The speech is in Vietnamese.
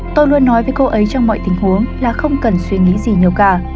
tôi luôn nói với cô ấy trong mọi tình huống là không cần suy nghĩ gì nữa